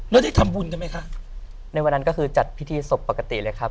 แล้วได้ทำบุญกันไหมคะในวันนั้นก็คือจัดพิธีศพปกติเลยครับ